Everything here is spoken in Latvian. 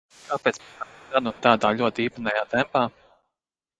Kāpēc par katru cenu un tādā ļoti īpatnējā tempā?